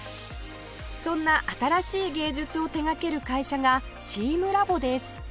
そんな新しい芸術を手掛ける会社がチームラボです